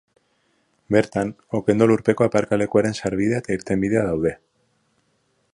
Bertan, Okendo lurpeko aparkalekuaren sarbidea eta irtenbidea daude.